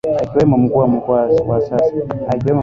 akiwemo Mkuu wa Mkoa wa sasa Mheshimiwa Adam Kighoma Ali Malima